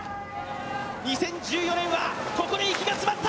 ２０１４年はここで行き詰まった。